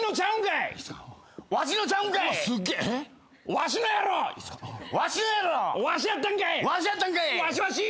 「わしわし」